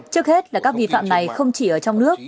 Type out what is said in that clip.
trước hết là các vi phạm này không chỉ ở trong nước